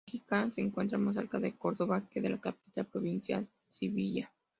Écija se encuentra más cerca de Córdoba que de la capital provincial Sevilla.